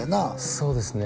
そうですね